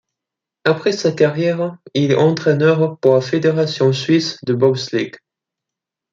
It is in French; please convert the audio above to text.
Après sa carrière, il est entraîneur pour la fédération suisse de bobsleigh.